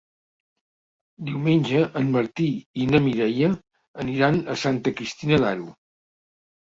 Diumenge en Martí i na Mireia aniran a Santa Cristina d'Aro.